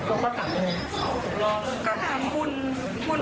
แต่ความจริงแค่เรานะ